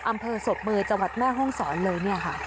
อำเภอศพเมย์จังหวัดแม่ห้องศรเลยเนี่ยค่ะ